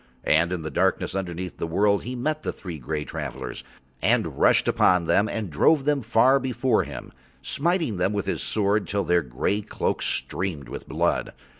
And in the darkness underneath the world he met the three grey travellers and rushed upon them and drove them far before him, smiting them with his sword till their grey cloaks streamed with blood.